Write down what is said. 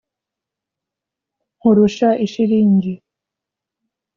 nkurusha ishilingi,